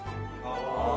ああ！